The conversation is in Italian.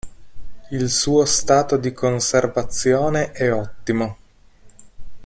Il suo stato di conservazione è ottimo.